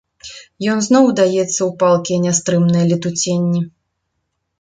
Ён зноў удаецца ў палкія нястрымныя летуценні.